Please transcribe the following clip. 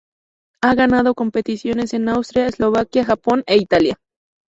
Ha ganado competiciones en Austria, Eslovaquia, Japón e Italia.